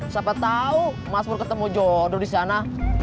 siapa tau mas pur ketemu jodoh di sana